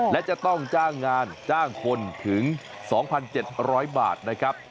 และจะต้องจ้างงานจ้างคนถึง๒๗๐๐บาทนะครับ